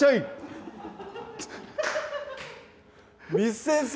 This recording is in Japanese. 簾先生！